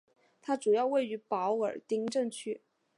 它主要位于保尔丁镇区。